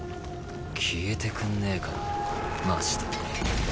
消えてくんねえかなマジで。